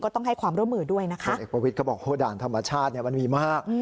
ก็ต้องให้ความร่วมเหมือนด้วยนะคะพลเอกประวิทย์ก็บอกว่าด่านธรรมชาติมันมีมาก